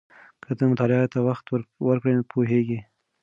که ته مطالعې ته وخت ورکړې پوهېږې.